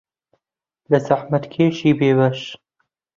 لە زەحمەتکێشی بێبەش